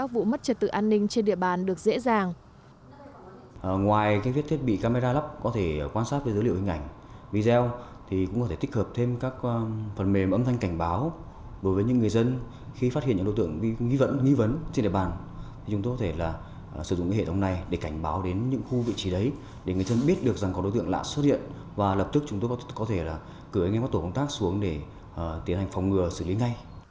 việc vi phạm các vụ mất trật tự an ninh trên địa bàn được dễ dàng